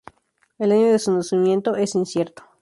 El año de su nacimiento es incierto.